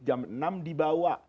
jam enam dibawa